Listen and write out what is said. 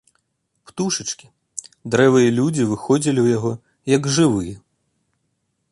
Птушачкі, дрэвы і людзі выходзілі ў яго, як жывыя.